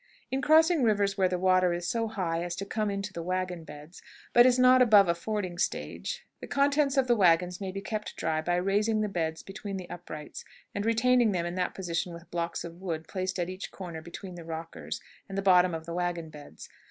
In crossing rivers where the water is so high as to come into the wagon beds, but is not above a fording stage, the contents of the wagons may be kept dry by raising the beds between the uprights, and retaining them in that position with blocks of wood placed at each corner between the rockers and the bottom of the wagon beds.